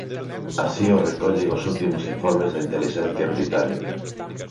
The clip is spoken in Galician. Así o recollen os últimos informes da intelixencia británica.